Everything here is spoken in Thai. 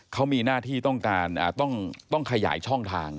เขามีหน้าที่ต้องการต้องขยายช่องทาง